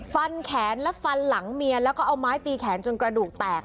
ฟันแขนและฟันหลังเมียแล้วก็เอาไม้ตีแขนจนกระดูกแตก